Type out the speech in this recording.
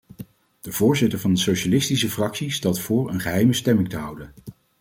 De voorzitter van de socialistische fractie stelt voor een geheime stemming te houden.